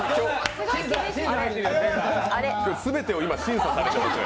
全てを今、審査されてます。